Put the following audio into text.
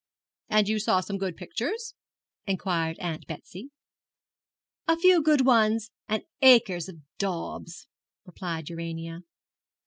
'And you saw some good pictures?' inquired Aunt Betsy. 'A few good ones and acres of daubs,' replied Urania.